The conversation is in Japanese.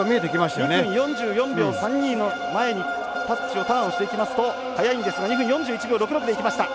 ２分４４秒３２の前にタッチ、ターンをしていきますと速いんですが２分４１秒６６で、いきました。